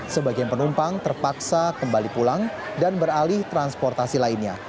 sebagian penumpang terpaksa kembali pulang dan beralih transportasi lainnya